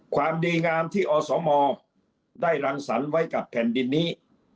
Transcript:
ความดีงามที่อสมได้รังสรรค์ไว้กับแผ่นดินนี้